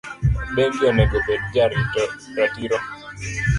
bengi onego bed jo ratiro.